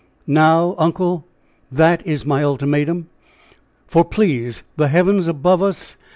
Now, uncle, that is my ultimatum! For, please the heavens above us!